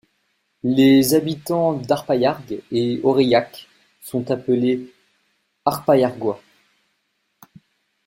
Les habitants d'Arpaillargues-et-Aureilhac sont appelés Arpaillargois.